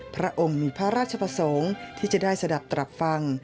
พระองค์มีพระราชประสงค์ที่จะได้สะดับตรับฟัง